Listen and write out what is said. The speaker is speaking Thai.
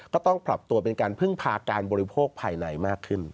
ก็ต้องปรับตัวเป็นการพึ่งพาการบริโภคภายในมากขึ้น